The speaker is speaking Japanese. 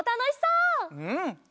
うん！